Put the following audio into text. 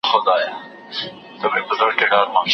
شیخ د سرو او د الماسو په ټال زانګي